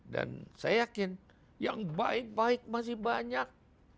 dan saya yakin yang baik baik masih banyak